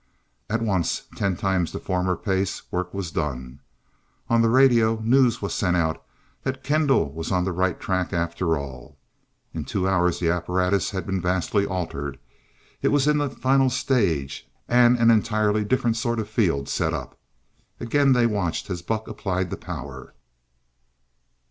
At once, ten times the former pace, work was done. On the radio, news was sent out that Kendall was on the right track after all. In two hours the apparatus had been vastly altered, it was in the final stage, and an entirely different sort of field set up. Again they watched as Buck applied the power.